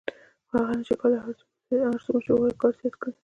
خو هغه نشي کولای هر څومره چې وغواړي کار زیات کړي